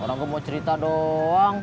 orang itu mau cerita doang